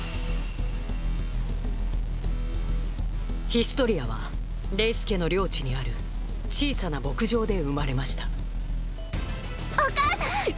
ヒストリアはレイス家の領地にある小さな牧場で生まれましたお母さん！